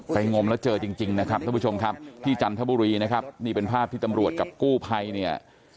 งมแล้วเจอจริงนะครับท่านผู้ชมครับที่จันทบุรีนะครับนี่เป็นภาพที่ตำรวจกับกู้ภัยเนี่ย